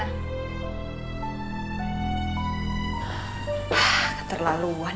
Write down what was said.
ambil aku mau siapin